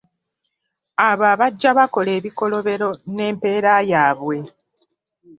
Abo abajja bakola ebikolobero n’empeera yaabwe.